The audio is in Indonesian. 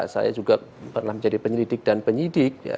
saya juga pernah menjadi penyelidik dan penyidik